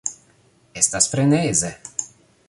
Estas freneze!